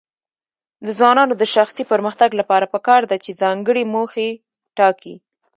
د ځوانانو د شخصي پرمختګ لپاره پکار ده چې ځانګړي موخې ټاکي.